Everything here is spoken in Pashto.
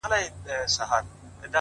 پوه انسان د زده کړې سفر نه بندوي